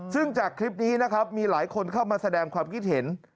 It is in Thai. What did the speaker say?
ซึ่งจากคลิปนี้นะครับมีหลายคนเข้ามาแสดงความคิดเห็น